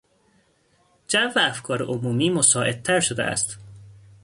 جو افکار عمومی مساعدتر شده است.